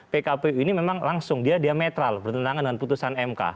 pkpu ini memang langsung diametral bertentangan dengan putusan mk